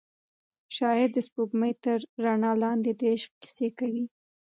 شاعر د سپوږمۍ تر رڼا لاندې د عشق کیسې کوي.